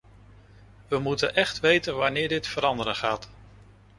We moeten echt weten wanneer dit veranderen gaat.